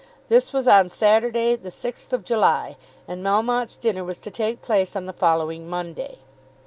This was on Saturday the 6th of July, and Melmotte's dinner was to take place on the following Monday.